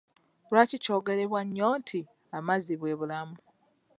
Lwaki kyogerebwa nnyo nti amazzi bwe bulamu?